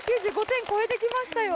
９５点超えてきましたよ！